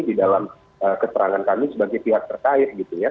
di dalam keterangan kami sebagai pihak terkait gitu ya